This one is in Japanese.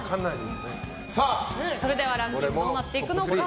ランキングどうなっていくのか。